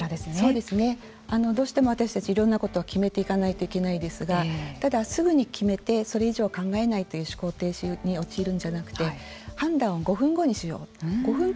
どうしても私たちいろんなことを決めていかないといけないですがただ、すぐに決めてそれ以上、考えないという思考停止に陥るのではなくて判断を５分後にしよう。